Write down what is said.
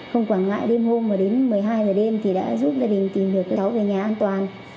không quản ngại đêm hôm mà đến một mươi hai giờ đêm thì đã giúp gia đình tìm được cháu về nhà an toàn